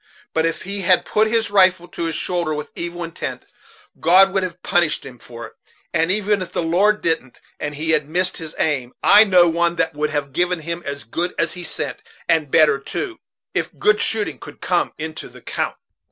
But if he had put his rifle to his shoulder with evil intent God would have punished him for it; and even if the Lord didn't, and he had missed his aim, I know one that would have given him as good as he sent, and better too, if good shooting could come into the 'count."